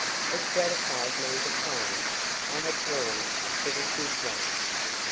It gratified me to find I had drawn a pretty good one.